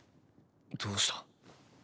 どうした？